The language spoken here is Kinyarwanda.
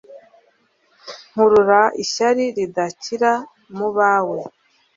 Nkurura ishyari ridakira mubawe